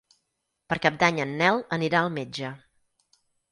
Per Cap d'Any en Nel anirà al metge.